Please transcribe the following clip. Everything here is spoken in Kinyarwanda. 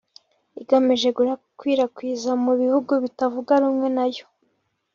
igamije gukwirakwizwa mu bihugu bitavuga rumwe nayo